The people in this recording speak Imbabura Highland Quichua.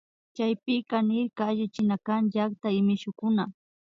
Chaypika nirka allichinakan llakta y mishukuna